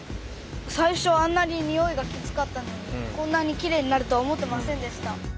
最初はあんなににおいがきつかったのにこんなにきれいになるとは思ってませんでした。